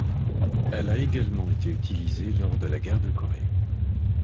Elle a également été utilisée lors de la Guerre de Corée.